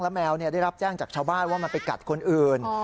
แมวได้รับแจ้งจากชาวบ้านว่ามันไปกัดคนอื่น